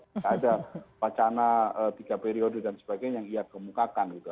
tidak ada wacana tiga periode dan sebagainya yang ia kemukakan gitu